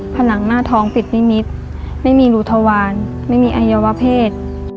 ผนังหน้าท้องปิดนิมิตรไม่มีรูทวารไม่มีอัยวเพศ